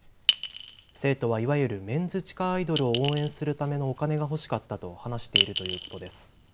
生徒はいわゆるメンズ地下アイドルを応援するためのお金が欲しかったと話しているということです。